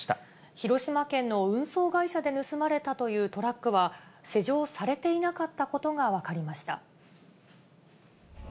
広島県の運送会社で盗まれたというトラックは、施錠されていなかったことが分かりました。